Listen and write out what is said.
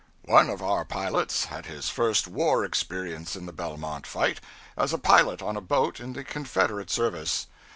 One of our pilots had his first war experience in the Belmont fight, as a pilot on a boat in the Confederate service.